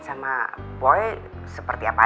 sama boy seperti apa